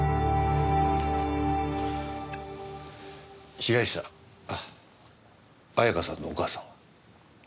被害者あっ綾香さんのお母さんは？